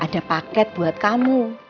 ada paket buat kamu